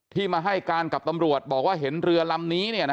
ที่มาให้การกับตำรวจบอกว่าเห็นเรือลำนี้